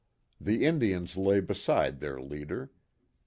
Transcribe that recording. The Indians lay beside their leader.